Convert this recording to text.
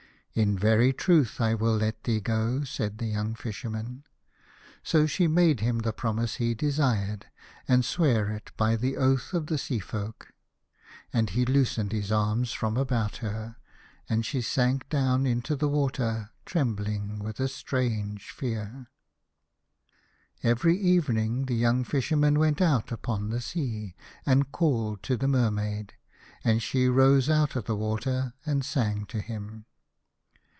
"In very truth I will let thee go," said the young Fisherman. So she made him the promise he desired, and sware it by the oath of the Sea folk. And he loosened his arms from about her, and she K 65 A House of Pomegranates. sank down into the water, trembling with a strange fear. Every evening the young Fisherman went out upon the sea, and called to the Mermaid, and she rose out of the water and sang to him.